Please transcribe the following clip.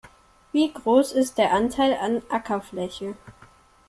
Wie groß ist der Anteil an Ackerfläche?